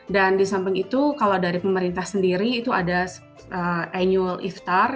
dan di samping itu kalau dari pemerintah sendiri itu ada annual iftar